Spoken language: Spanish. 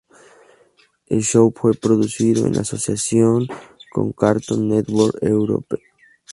El show fue producido en asociación con Cartoon Network Europe.